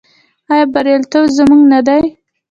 آیا بریالیتوب زموږ نه دی؟